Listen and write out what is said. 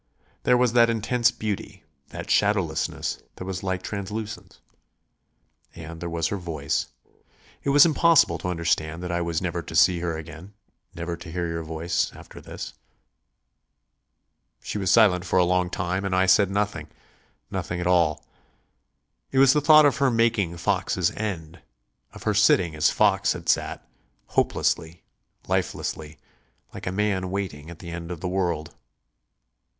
There was that intense beauty, that shadowlessness that was like translucence. And there was her voice. It was impossible to understand that I was never to see her again, never to hear her voice, after this. She was silent for a long time and I said nothing nothing at all. It was the thought of her making Fox's end; of her sitting as Fox had sat, hopelessly, lifelessly, like a man waiting at the end of the world.